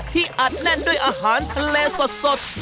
ที่อัดแน่นด้วยอาหารแลสด